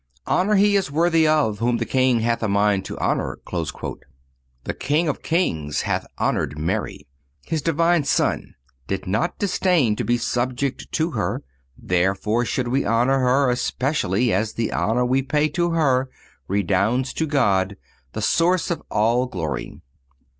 "Honor he is worthy of, whom the king hath a mind to honor."(250) The King of kings hath honored Mary; His divine Son did not disdain to be subject to her, therefore should we honor her, especially as the honor we pay to her redounds to God, the source of all glory.